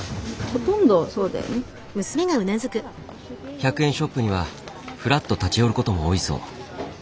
１００円ショップにはふらっと立ち寄ることも多いそう。